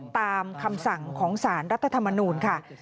ตามคำสั่งของสารรัฐธรรมนูลค่ะ